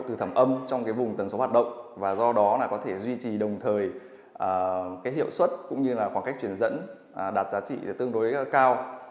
từ thẩm âm trong vùng tần số hoạt động và do đó là có thể duy trì đồng thời cái hiệu suất cũng như là khoảng cách truyền dẫn đạt giá trị tương đối cao